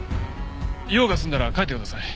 用が済んだら帰ってください。